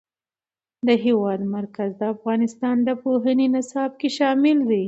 د هېواد مرکز د افغانستان د پوهنې نصاب کې شامل دی.